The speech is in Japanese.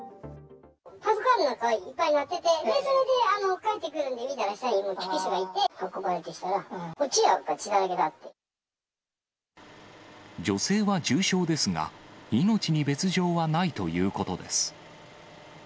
パトカーの音がいっぱい鳴ってて、それでカーテン開けて見たら、下に救急車がいて、運ばれてきたら、女性は重傷ですが、命に別状はないということです。